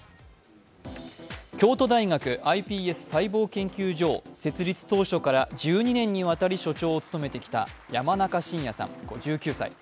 京都大学ｉＰＳ細胞研究所を設立当初から１２年にわたり所長を務めてきた山中伸弥さん５９歳。